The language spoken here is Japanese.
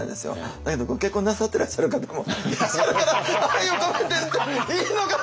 だけどご結婚なさってらっしゃる方もいらっしゃるから「愛を込めて」っていいのかな？